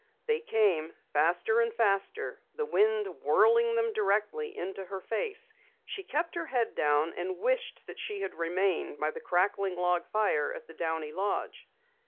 They came faster and faster, the wind whirling them directly into her face. She kept her head down and wished that she had remained by the crackling log fire at the Downey lodge.